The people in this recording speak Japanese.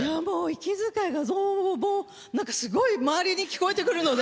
息遣いがもう何かすごい周りに聞こえてくるので。